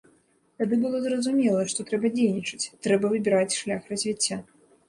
Тады было зразумела, што трэба дзейнічаць, трэба выбіраць шлях развіцця.